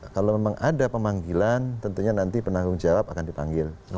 kalau memang ada pemanggilan tentunya nanti penanggung jawab akan dipanggil